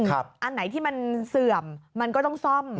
อันไหนที่มันเสื่อมมันก็ต้องซ่อม